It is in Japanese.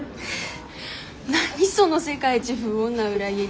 何その世界一不穏な裏切り。